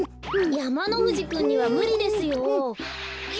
やまのふじくんにはむりですよ。